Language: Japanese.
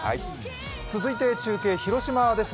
続いて中継、広島です。